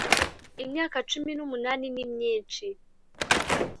imyaka cumi n’umunani ni myinshi,